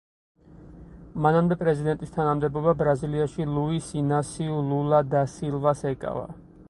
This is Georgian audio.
მანამდე პრეზიდენტის თანამდებობა ბრაზილიაში ლუის ინასიუ ლულა და სილვას ეკავა.